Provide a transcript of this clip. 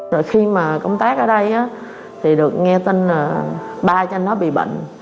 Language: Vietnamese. rồi khi mà công tác ở đây thì được nghe tin là ba cho anh đó bị bệnh